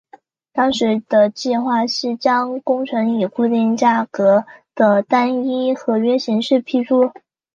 当时的计划是将工程以固定价格的单一合约形式批出。